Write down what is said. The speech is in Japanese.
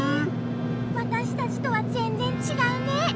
わたしたちとはぜんぜんちがうね。